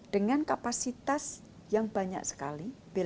dengan kapasitas yang banyak sekali